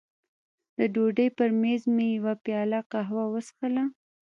د ډوډۍ پر مېز مې یوه پیاله قهوه وڅښله.